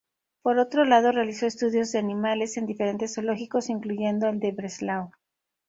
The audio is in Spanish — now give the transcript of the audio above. Por otro lado realizó estudios de animales en diferentes zoológicos, incluyendo el de Breslau.